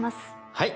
はい。